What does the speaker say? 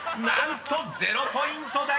［何と０ポイント